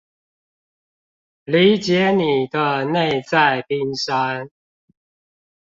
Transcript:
理解你的內在冰山